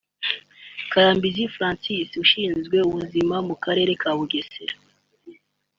Karambizi Francois ushizwe ubuzima mu karere ka Bugesera